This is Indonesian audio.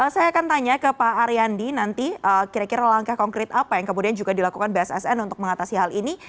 saya akan tanya ke pak ariandi nanti kira kira langkah konkret apa yang kemudian juga dilakukan bssn untuk mengatasi hal ini